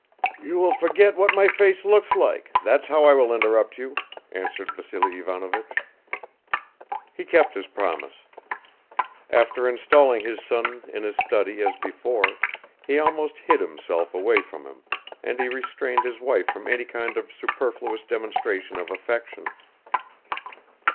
"You will forget what my face looks like, that's how I will interrupt you!" answered Vassily Ivanovich. He kept his promise. After installing his son in his study as before, he almost hid himself away from him and he restrained his wife from any kind of superfluous demonstration of affection.